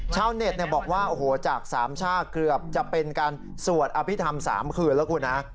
ชาวเน็ตบอกว่าโอ้โหจากสามชาติเกือบจะเป็นการสวดอภิษฐรรม๓คืนแล้วคุณฮะ